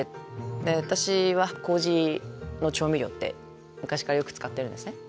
私はこうじの調味料って昔からよく使ってるんですね。